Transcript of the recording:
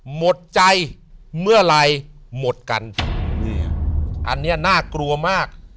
หมดใจเมื่อไหร่หมดกันเนี่ยอันเนี้ยน่ากลัวมาก